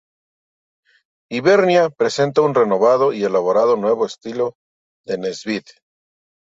Hibernia presenta un renovado y elaborado nuevo estilo de Nesbitt.